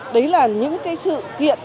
đấy là những cái sự kiện